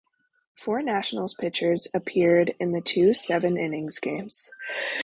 Four Nationals pitchers appeared in the two seven-inning games.